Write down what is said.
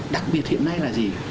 đặc biệt hiện nay là gì